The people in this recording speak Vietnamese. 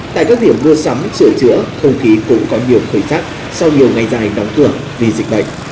tại các điểm mua sắm sửa chữa không khí cũng có nhiều khởi sắc sau nhiều ngày dài đóng cửa vì dịch bệnh